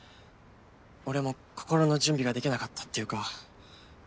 俺も心の準備ができなかったっていうか。